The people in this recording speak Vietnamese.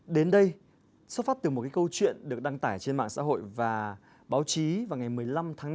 đến đây xuất phát từ một câu chuyện được đăng tải trên mạng xã hội và báo chí vào ngày một mươi năm tháng năm